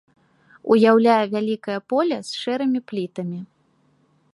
Уяўляе вялікае поле з шэрымі плітамі.